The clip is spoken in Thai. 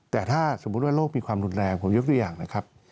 แต่ถ้าสมมุติว่าโลกมีความรุนแรงผมยกตัวอย่างนะครับ